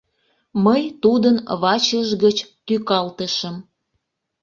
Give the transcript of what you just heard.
Мый тудын вачыж гыч тӱкалтышым.